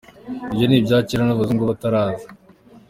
Ibyo ni ibya kera n’abazungu bataraza.